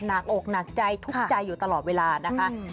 อกหนักใจทุกข์ใจอยู่ตลอดเวลานะคะ